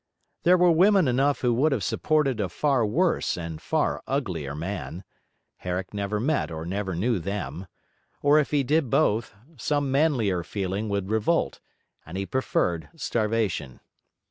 There were women enough who would have supported a far worse and a far uglier man; Herrick never met or never knew them: or if he did both, some manlier feeling would revolt, and he preferred starvation.